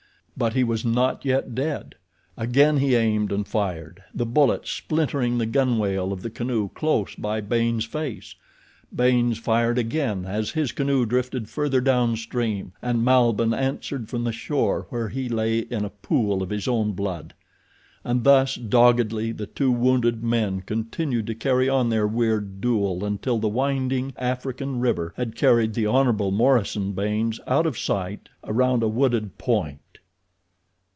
But he was not yet dead. Again he aimed and fired, the bullet splintering the gunwale of the canoe close by Baynes' face. Baynes fired again as his canoe drifted further down stream and Malbihn answered from the shore where he lay in a pool of his own blood. And thus, doggedly, the two wounded men continued to carry on their weird duel until the winding African river had carried the Hon. Morison Baynes out of sight around a wooded point.